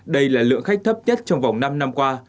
đây là lượng khách thấp nhất trong vòng năm năm qua